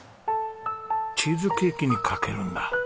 チーズケーキにかけるんだ。